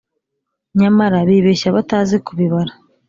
nyamara bibeshya batazi kubibara.